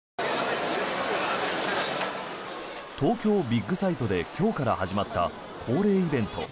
東京ビッグサイトで今日から始まった恒例イベント